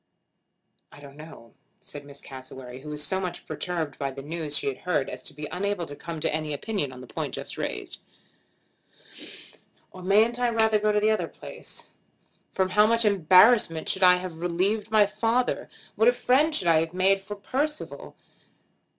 "I don't know," said Miss Cassewary, who was so much perturbed by the news she had heard as to be unable to come to any opinion on the point just raised. "Or mayn't I rather go to the other place? From how much embarrassment should I have relieved my father! What a friend I should have made for Percival!